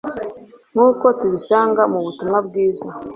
nk'uko tubisanga mu butumwa bwiza .